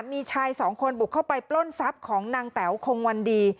มีชายสองคนบุกเข้าไปปล้นทรัพย์ของนางแต๋วคงวันดี